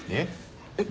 えっ？